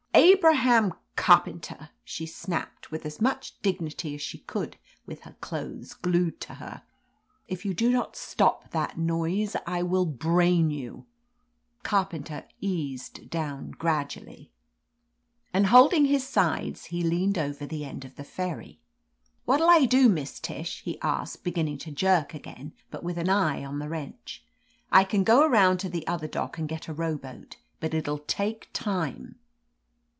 "Abraham Carpenter," she snapped, with as much dignity as she could with her clothes glued to her, "if you do not stop that noise I will brain you." Carpenter eased down gradually, and, hold 211 THE AMAZING ADVENTURES ing his sides, he leaned over the end of the ferry. "What'll I do, Miss Tish?" he asked, begin ning to jerk again, but with an eye on the wrench. "I can go around to the other dock and get a rowboat, but it'll take time."